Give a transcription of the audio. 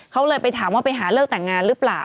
เขาเลยไปถามว่าไปหาเลิกแต่งงานหรือเปล่า